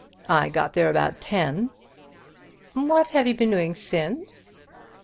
I got there about ten." "What have you been doing since?"